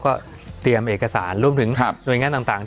ก็เตรียมเอกสารรวมถึงหน่วยงานต่าง